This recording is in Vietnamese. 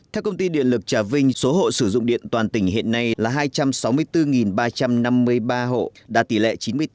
theo công ty điện lực trà vinh số hộ sử dụng điện toàn tỉnh hiện nay là hai trăm sáu mươi bốn ba trăm năm mươi ba hộ đạt tỷ lệ chín mươi tám